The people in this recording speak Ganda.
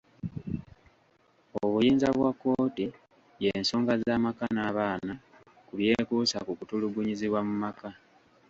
Obuyinza bwa kkooti y'ensonga z'amaka n'abaana ku byekuusa ku kutulugunyizibwa mu maka.